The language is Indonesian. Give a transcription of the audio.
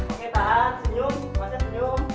oke tahan senyum pokoknya senyum